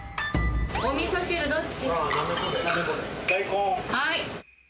おみそ汁どっち？